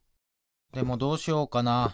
でもどうしようかな。